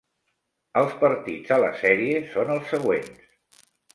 Els partits a la sèrie són els següents.